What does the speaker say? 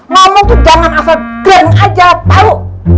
ngomong tuh jangan asal geng aja tau